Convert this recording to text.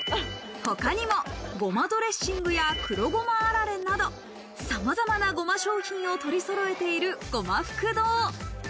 他にも、胡麻ドレッシングや黒ごまあられなど、様々なゴマ商品を取りそろえているごま福堂。